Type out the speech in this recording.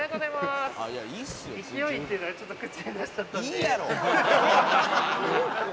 「いいやろ！」